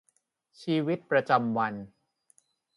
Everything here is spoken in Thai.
ชีวิตประจำวัน